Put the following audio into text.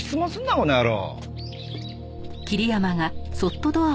この野郎。